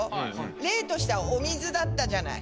例としてはお水だったじゃない。